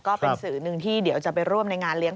ก็เป็นสื่อหนึ่งที่เดี๋ยวจะไปร่วมในงานเลี้ย